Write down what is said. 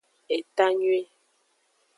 Etanyuie.